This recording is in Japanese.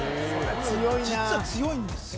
実は強いんですよ